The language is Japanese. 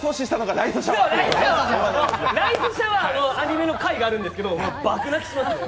ライスシャワーのアニメの回があるんですけど、爆泣きします。